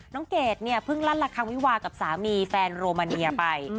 เกดเนี่ยเพิ่งลั่นละครังวิวากับสามีแฟนโรมาเนียไป